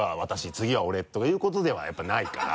「次は俺」とかいうことではやっぱりないから。